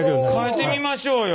書いてみましょうよ。